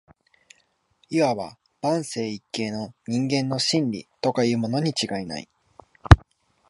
謂わば万世一系の人間の「真理」とかいうものに違いない